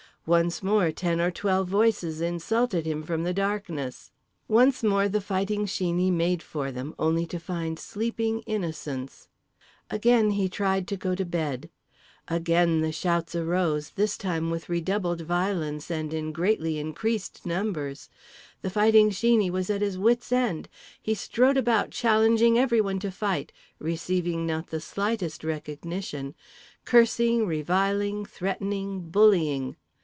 Once more ten or twelve voices insulted him from the darkness. Once more The Fighting Sheeney made for them, only to find sleeping innocents. Again he tried to go to bed. Again the shouts arose, this time with redoubled violence and in greatly increased number. The Fighting Sheeney was at his wits' end. He strode about challenging everyone to fight, receiving not the slightest recognition, cursing, reviling, threatening, bullying.